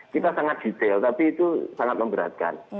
kita sangat detail tapi itu sangat memberatkan